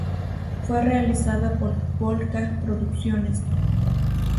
Fue realizada por Pol-ka Producciones.